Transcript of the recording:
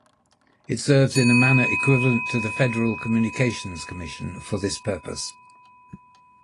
It serves in a manner equivalent to the Federal Communications Commission for this purpose.